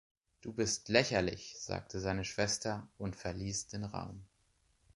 „Du bist lächerlich", sagte seine Schwester und verließ den Raum.